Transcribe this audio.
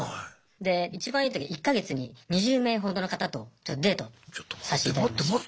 で一番いい時１か月に２０名ほどの方とちょっとデートをさせていただきました。